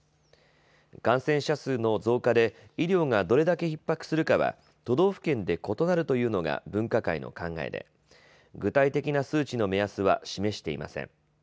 感染者数の増加で医療がどれだけひっ迫するかは都道府県で異なるというのが分科会の考えで具体的な数値の目安は示していません。